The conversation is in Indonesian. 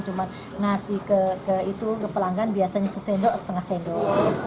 cuma ngasih ke pelanggan biasanya sesendok setengah sendok